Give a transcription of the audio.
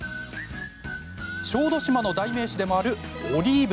小豆島の代名詞でもあるオリーブ。